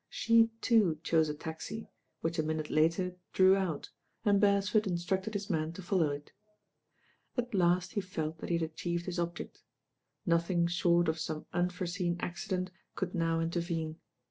She, too, chose a taxi, which a minute later drew out, and Beresford instructed his man to follow it. At last he felt that he had achieved his object. Nothing short of some unforeseen accident could now mteryene.